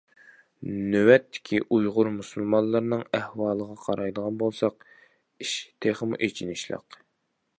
نۆۋەتتىكى ئۇيغۇر مۇسۇلمانلىرىنىڭ ئەھۋالىغا قارايدىغان بولساق، ئىش تېخىمۇ ئېچىنىشلىق.